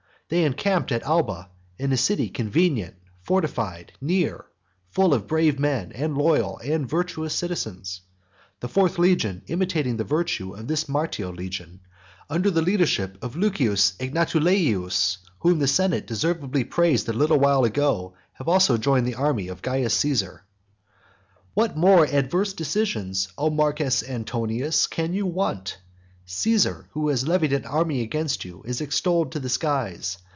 They encamped at Alba, in a city convenient, fortified, near, full of brave men and loyal and virtuous citizens. The fourth legion imitating the virtue of this Martial legion, under the leadership of Lucius Egnatuleius, whom the senate deservedly praised a little while ago, has also joined the army of Caius Caesar. III. What more adverse decisions, O Marcus Antonius, can you want? Caesar, who has levied an army against you, is extolled to the skies.